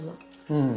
うん。